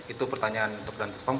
itu pertanyaan untuk dan perform